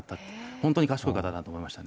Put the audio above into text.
本当に賢い方だと思いましたね。